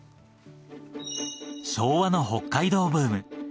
昭和の北海道ブーム。